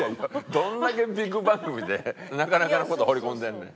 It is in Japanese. どんだけ番組でなかなかの事放り込んでんねん。